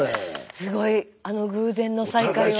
すごいあの偶然の再会は。